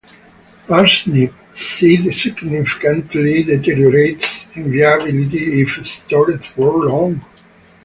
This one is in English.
Parsnip seed significantly deteriorates in viability if stored for long.